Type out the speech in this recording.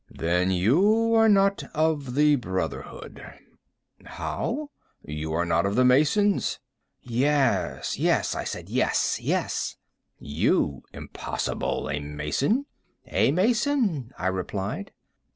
"Then you are not of the brotherhood." "How?" "You are not of the masons." "Yes, yes," I said, "yes, yes." "You? Impossible! A mason?" "A mason," I replied.